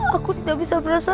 aku tidak bisa merasakan